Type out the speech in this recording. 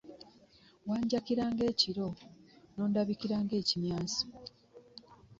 Wanjakira nga ekiro, nondabikira nga ekimyanso.